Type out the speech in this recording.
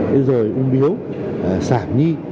thế rồi ung biếu sảm nhi